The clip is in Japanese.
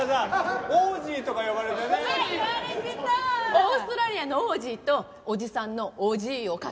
オーストラリアの「オージー」とおじさんの「おじい」をかけてね。